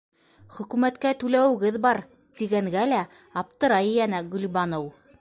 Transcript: Хөкүмәткә түләүегеҙ бар, тигәнгә лә аптырай йәнә Гөлбаныу.